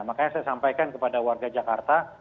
makanya saya sampaikan kepada warga jakarta